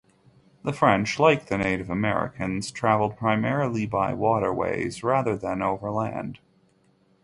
The French, like the Native Americans, traveled primarily by waterways rather than overland.